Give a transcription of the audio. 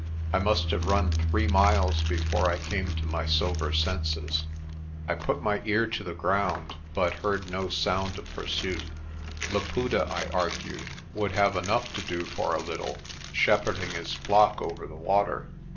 I must have run three miles before I came to my sober senses. I put my ear to the ground but heard no sound of pursuit. Laputa, I argued, would have enough to do for a little, shepherding his flock over the water.